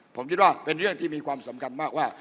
ผมคิดว่าเป็นเรื่องที่มีความสำคัญมากว่า